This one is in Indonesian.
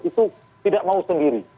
itu tidak mau sendiri